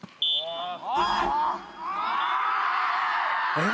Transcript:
えっ？